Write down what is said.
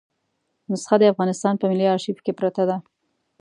نسخه د افغانستان په ملي آرشیف کې پرته ده.